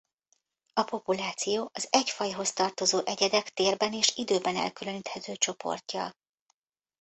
A populáció az egy fajhoz tartozó egyedek térben és időben elkülöníthető csoportja.